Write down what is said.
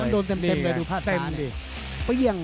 มันโดนเต็มดีเลยดูผ้าตาเนี่ย